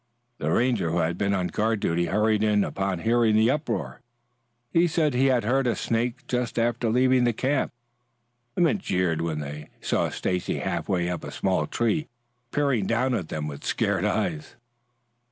The Ranger who had been on guard duty hurried in upon hearing the uproar. He said he had heard a snake just after leaving the camp. The men jeered when they saw Stacy half way up a small tree, peering down at them with scared eyes.